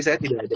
saya tidak ada